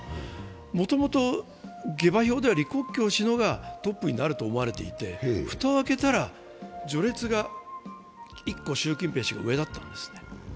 もともと下馬評では李克強氏の方がトップになると言われていて蓋を開けたら、序列が１個、習近平氏が上だったんですね。